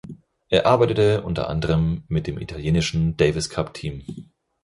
Er arbeitete unter anderem mit dem italienischen Davis-Cup-Team.